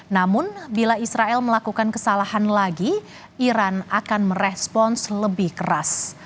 namun bila israel melakukan kesalahan lagi iran akan merespons lebih keras